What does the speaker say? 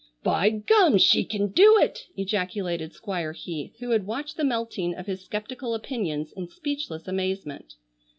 "By gum! She kin do it!" ejaculated Squire Heath, who had watched the melting of his skeptical opinions in speechless amazement.